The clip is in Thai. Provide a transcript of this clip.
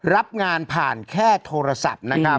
รับงานผ่านแค่โทรศัพท์